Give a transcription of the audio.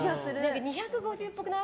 ２５０っぽくない？